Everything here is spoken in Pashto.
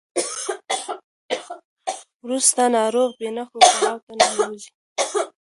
وروسته ناروغ بې نښو پړاو ته ننوځي.